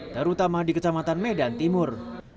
terutama di kecamatan medan timur